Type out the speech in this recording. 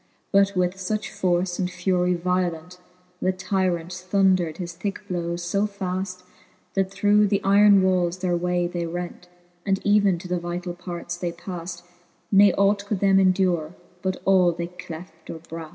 But with fuch force and furie violent, The tyrant thundred his thicke blowes fb faft. That through the yron walles their way they rent,, And even to the vitall parts they paft, Ke ought could them endure, but all they cleft or braft.